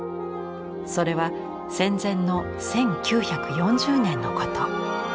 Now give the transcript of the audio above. それは戦前の１９４０年のこと。